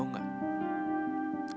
gue juga sedih ya